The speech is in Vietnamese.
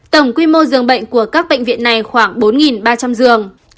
tổng quy mô dường bệnh của các bệnh viện này khoảng bốn ba trăm linh giường